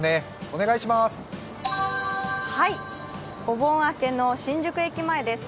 お盆明けの新宿駅前です。